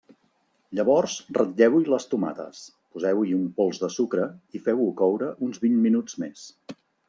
Llavors ratlleu-hi les tomates, poseu-hi un pols de sucre i feu-ho coure uns vint minuts més.